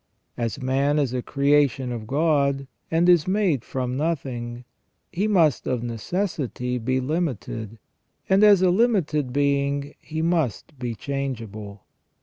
As man is a creation of God, and is made from nothing, he must of necessity be limited, and as a limited being he must be changeable.